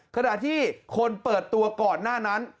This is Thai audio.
ขณะที่คนเปิดตัวก่อนหน้านั้น